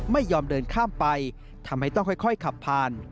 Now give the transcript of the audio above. ไม่ยอมเดินข้ามไปทำไมต้องค่อยขับผ่าน